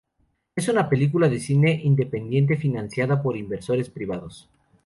Es una película de cine independiente, financiada por inversores privados.